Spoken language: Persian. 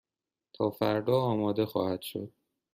تا فردا آماده خواهد شد.